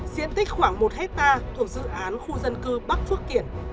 diện tích khoảng một hectare thuộc dự án khu dân cư bắc phước kiển